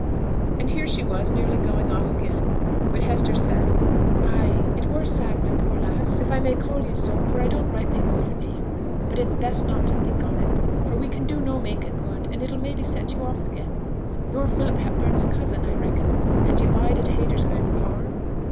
And here she was nearly going off again, but Hester said 'Ay, it were sad, my poor lass if I may call you so, for I don't rightly know your name but it's best not think on it for we can do no mak' o' good, and it'll mebbe set you off again. Yo're Philip Hepburn's cousin, I reckon, and yo' bide at Haytersbank Farm?'